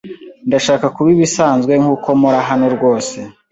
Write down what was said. Ndashaka kuba ibisanzwe kuko mora hano rwose.